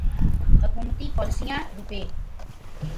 حکومتی پالیسیاں روپے